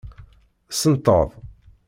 Senteḍ.